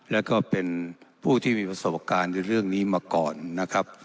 แล้วก็เป็นผู้ที่มีประสบการณ์ในเรื่องนี้มาก่อนนะครับ